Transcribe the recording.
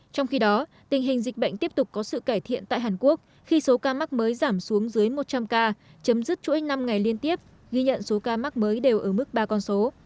trong khi đó tình hình dịch bệnh tiếp tục có sự cải thiện tại hàn quốc khi số ca mắc mới giảm xuống dưới một trăm linh ca chấm dứt chuỗi năm ngày liên tiếp ghi nhận số ca mắc mới đều ở mức ba con số